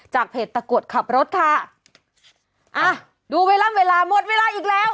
เพจตะกรวดขับรถค่ะอ่ะดูเวลาหมดเวลาอีกแล้ว